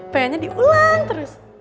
pengen diulang terus